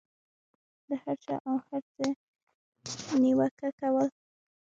د هر چا او هر څه نیوکه کول.